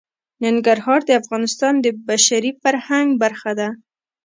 ننګرهار د افغانستان د بشري فرهنګ برخه ده.